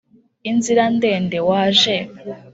inzira ndende? waje